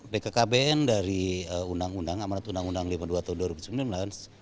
bkkbn dari undang undang amanat undang undang lima puluh dua tahun dua ribu sembilan belas